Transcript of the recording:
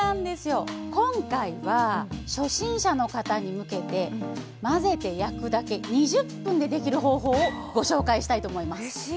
今回は初心者の方に向けて混ぜて焼くだけ２０分でできる方法をご紹介したいと思います。